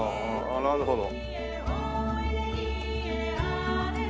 ああなるほど。